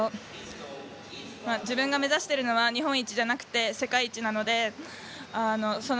自分が目指しているのは日本一じゃなくて、世界一なので。